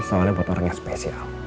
soalnya buat orang yang spesial